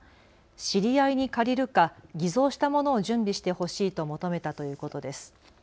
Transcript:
知り合いに借りるか、偽造したものを準備してほしいと求めたということです。